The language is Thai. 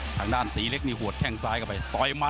ทางด้านสีเล็กหัวแค่งซ้ายกลับไปต่อยมัด